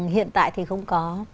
hiện tại thì không có